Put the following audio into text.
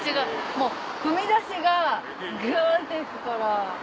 もう踏み出しがグンって行くから。